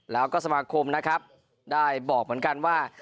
แล้วก็สมาคมนะครับได้บอกเหมือนกันว่า